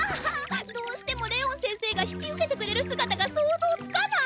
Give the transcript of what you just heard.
どうしてもレオン先生が引き受けてくれる姿が想像つかない！